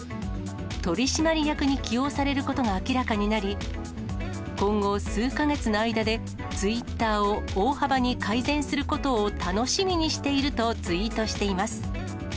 取締役に起用されることが明らかになり、今後数か月の間で、ツイッターを大幅に改善することを楽しみにしているとツイートしています。